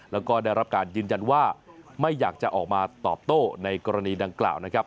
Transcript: แล้วก็ได้รับการยืนยันว่าไม่อยากจะออกมาตอบโต้ในกรณีดังกล่าวนะครับ